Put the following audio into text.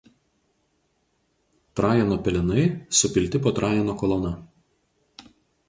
Trajano pelenai supilti po Trajano kolona.